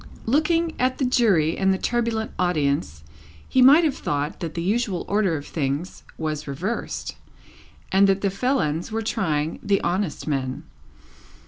Looking at the Jury and the turbulent audience, he might have thought that the usual order of things was reversed, and that the felons were trying the honest men.